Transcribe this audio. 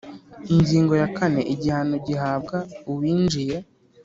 Ingingo ya kane Igihano gihabwa uwinjiye